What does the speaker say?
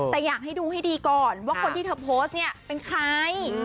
แต่อยากให้ดูให้ดีก่อนว่าคนที่เธอโพสต์เนี่ยเป็นใคร